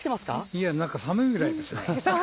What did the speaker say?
いや、なんか寒いぐらいですね。